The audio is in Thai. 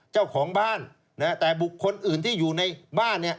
เจ้าของบ้านแต่บุคคลอื่นที่อยู่ในบ้าน